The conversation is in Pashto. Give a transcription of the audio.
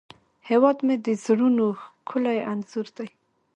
هیواد مې د زړونو ښکلی انځور دی